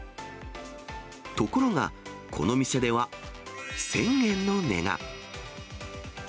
ところが、この店では１０００円の値が。